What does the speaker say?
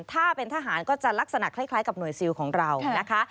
ถ้าเป็นทหารก็จะลักษณะคล้ายกับหน่วยซิลของเรานะคะ